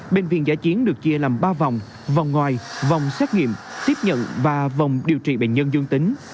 bệnh viện giã chiến được chia làm ba vòng vòng vòng ngoài vòng xét nghiệm tiếp nhận và vòng điều trị bệnh nhân dương tính